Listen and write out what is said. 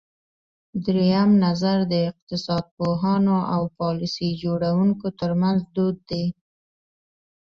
درېیم نظر د اقتصاد پوهانو او پالیسۍ جوړوونکو ترمنځ دود دی.